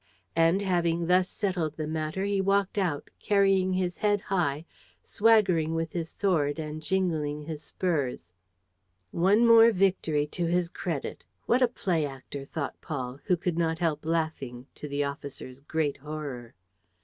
And, having thus settled the matter, he walked out, carrying his head high, swaggering with his sword and jingling his spurs. "One more victory to his credit! What a play actor!" thought Paul, who could not help laughing, to the officer's great horror.